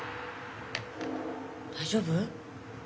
大丈夫？